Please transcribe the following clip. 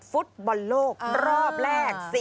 ฟุตบอลโลกรอบแรก